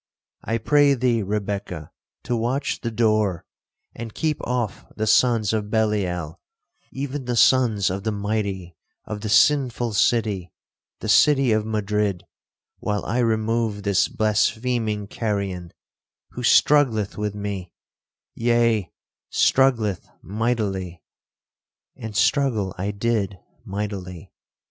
I pray thee, Rebekah, to watch the door, and keep off the sons of Belial, even the sons of the mighty of the sinful city—the city of Madrid, while I remove this blaspheming carrion, who struggleth with me,—yea, struggleth mightily,' (and struggle I did mightily).